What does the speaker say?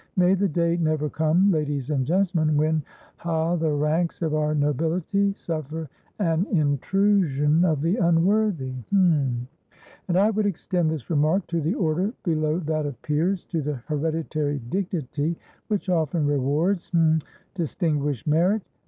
May the day never come, ladies and gentlemen, whenhathe ranks of our nobility suffer an intrusion of the unworthyhum. And I would extend this remark to the order below that of peers, to the hereditary dignity which often rewardshadistinguished merit.